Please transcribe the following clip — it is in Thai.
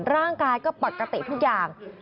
ร่างกายก็ปกติทุกอย่าง